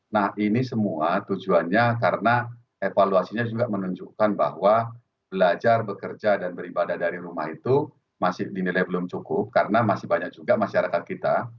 nah ini semua tujuannya karena evaluasinya juga menunjukkan bahwa belajar bekerja dan beribadah dari rumah itu masih dinilai belum cukup karena masih banyak juga masyarakat kita